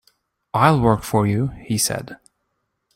"I'll work for you," he said.